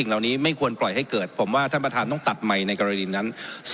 เหล่านี้ไม่ควรปล่อยให้เกิดผมว่าท่านประธานต้องตัดใหม่ในกรณีนั้น